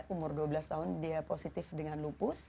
umur dua belas tahun dia positif dengan lupus